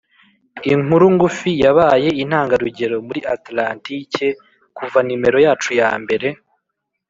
inkuru ngufi yabaye intangarugero muri atlantike kuva nimero yacu ya mbere